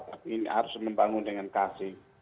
tapi ini harus membangun dengan kasih